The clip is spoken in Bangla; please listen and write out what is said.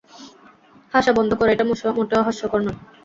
হাসা বন্ধ করো, এটা মোটেও হাস্যকর নয়।